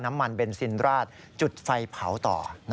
น้ำมันเบนซินราดจุดไฟเผาต่อ